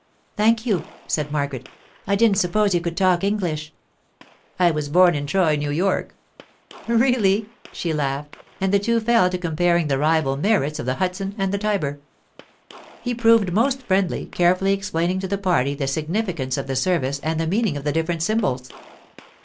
'Thank you,' said Margaret; 'I didn't suppose you could talk English.' 'I was born in Troy, New York.' 'Really?' she laughed, and the two fell to comparing the rival merits of the Hudson and the Tiber. He proved most friendly, carefully explaining to the party the significance of the service and the meaning of the different symbols.